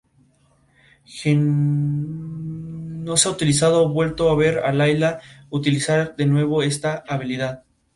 No se ha vuelto a ver a Layla utilizar de nuevo esta habilidad.